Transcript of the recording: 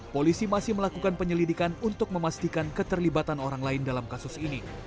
polisi masih melakukan penyelidikan untuk memastikan keterlibatan orang lain dalam kasus ini